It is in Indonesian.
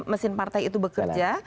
mesin partai itu bekerja